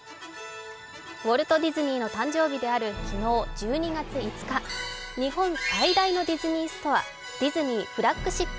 ウォルト・ディズニーの誕生日である昨日、１２月５日日本最大のディズニーストアディズニーフラッグシップ